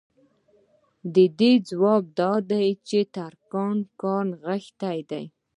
د دې ځواب دا دی چې د ترکاڼ کار نغښتی